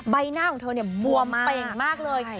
ใบหน้าของเธอเนี่ยบวมเป่งมากเลย